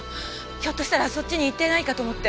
ひょっとしたらそっちに行ってないかと思って。